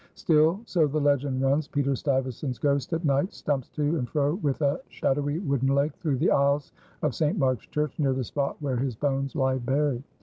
Still, so the legend runs, Peter Stuyvesant's ghost at night "stumps to and fro with a shadowy wooden leg through the aisles of St. Mark's Church near the spot where his bones lie buried."